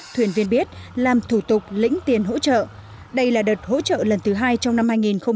thuyền viên biết làm thủ tục lĩnh tiền hỗ trợ đây là đợt hỗ trợ lần thứ hai trong năm hai nghìn hai mươi